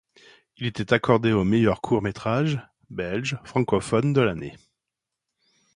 Il était accordé au meilleur court métrage belge francophone de l'année.